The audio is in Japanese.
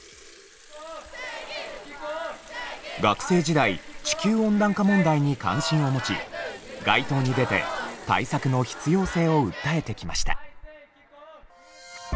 学生時代地球温暖化問題に関心を持ち街頭に出て対策の必要性を訴えてきました。